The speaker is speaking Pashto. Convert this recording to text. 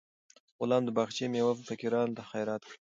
غلام د باغچې میوه فقیرانو ته خیرات کړه.